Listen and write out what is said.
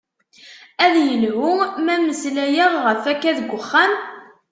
Ad yelhu ma meslayeɣ ɣef akka deg uxxam?